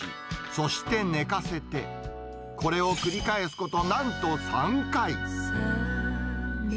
そして寝かせて、これを繰り返すこと、なんと３回。